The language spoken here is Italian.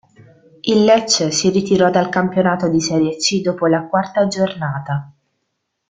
Il Lecce si ritirò dal campionato di Serie C dopo la quarta giornata.